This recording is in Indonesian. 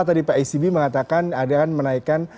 tadi pak ecb mengatakan ada kan menaikan